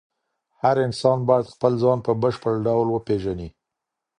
هر انسان باید خپل ځان په بشپړ ډول وپیژني.